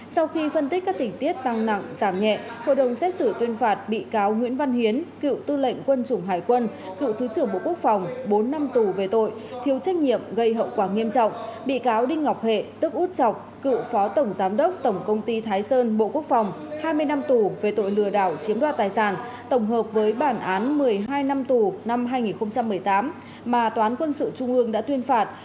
sau khi phân tích các tỉnh tiết tăng nặng giảm nhẹ hội đồng xét xử tuyên phạt bị cáo nguyễn văn hiến cựu tư lệnh quân chủng hải quân cựu thứ trưởng bộ quốc phòng bốn năm tù về tội thiếu trách nhiệm gây hậu quả nghiêm trọng bị cáo đinh ngọc hệ tức út trọc cựu phó tổng giám đốc tổng công ty thái sơn bộ quốc phòng hai mươi năm tù về tội lừa đảo chiếm đoạt tài sản tổng hợp với bản án một mươi hai năm tù năm hai nghìn một mươi tám mà toán quân sự trung ương đã tuyên phạt